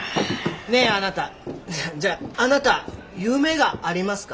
ねえあなたじゃああなた夢がありますか？